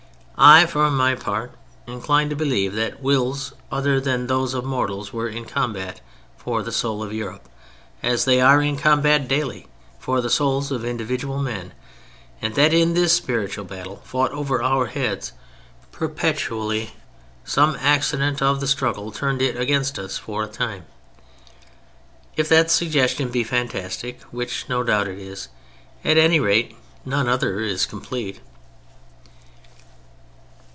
I, for my part, incline to believe that wills other than those of mortals were in combat for the soul of Europe, as they are in combat daily for the souls of individual men, and that in this spiritual battle, fought over our heads perpetually, some accident of the struggle turned it against us for a time. If that suggestion be fantastic (which no doubt it is), at any rate none other is complete.